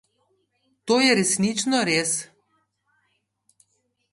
To je resnično res.